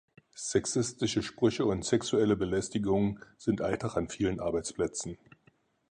Sexistische Sprüche und sexuelle Belästigung sind Alltag an vielen Arbeitsplätzen.